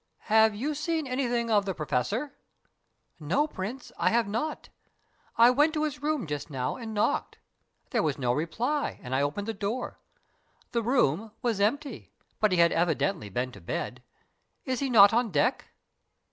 Have you seen anything of the Professor?" "No, Prince, I have not. I went to his room just now and knocked. There was no reply and I opened the door. The room was empty, but he had evidently been to bed. Is he not on deck?"